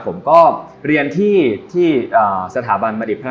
ผมก็เรียนที่สถาบันบรรดิภนสินฯ